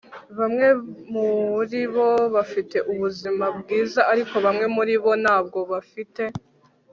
Bamwe muribo bafite ubuzima bwiza ariko bamwe muribo ntabwo bafite